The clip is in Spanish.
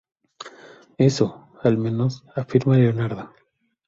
Eso, al menos, afirma Leonardo.